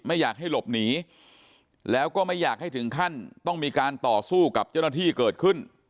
ไม่อยากให้หลบหนีแล้วก็ไม่อยากให้ถึงขั้นต้องมีการต่อสู้กับเจ้าหน้าที่เกิดขึ้น